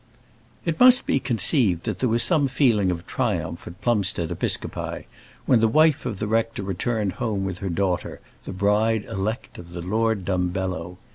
It must be conceived that there was some feeling of triumph at Plumstead Episcopi, when the wife of the rector returned home with her daughter, the bride elect of the Lord Dumbello.